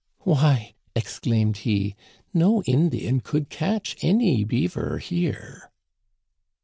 "* Why,' exclaimed he, * no Indian could catch any beaver here.'